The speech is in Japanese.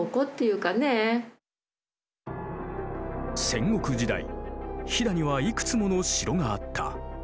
戦国時代飛騨にはいくつもの城があった。